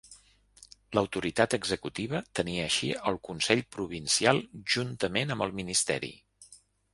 L'autoritat executiva tenia així el consell provincial juntament amb el ministeri.